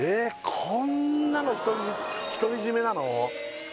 こんなの独り占めなの？